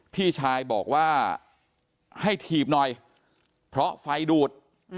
พี่ชายบอกว่าให้ถีบหน่อยเพราะไฟดูด